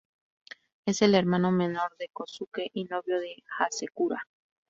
Es el hermano menor de Kōsuke y novio de Hasekura.